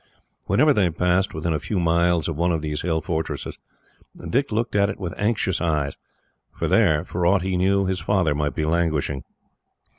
Whenever they passed within a few miles of one of these hill fortresses, Dick looked at it with anxious eyes; for there, for aught he knew, his father might be languishing.